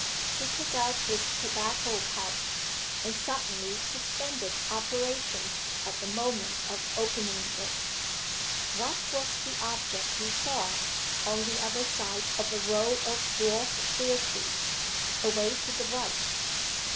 He took out his tobacco pouch; and suddenly suspended operations at the moment of opening it. What was the object he saw, on the other side of a row of dwarf pear trees, away to the right?